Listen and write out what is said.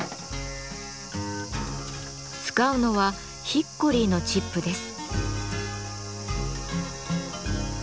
使うのはヒッコリーのチップです。